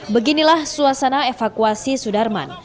beginilah suasana evakuasi sudarman